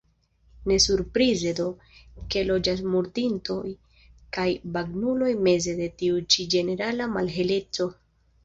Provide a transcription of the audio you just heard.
Ne surprize do, ke loĝas murdintoj kaj bagnuloj meze de tiu ĉi ĝenerala malheleco.